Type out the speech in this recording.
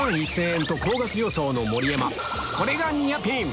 これがニアピン！